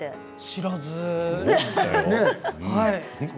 知らず。